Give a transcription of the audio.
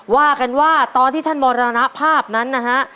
ว่ากันว่าตอนที่ท่านมรณภาพนั้นนะฮะ